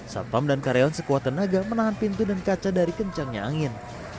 satpam dan karyawan sekuat tenaga menahan pintu dan kaca dari kencangnya angin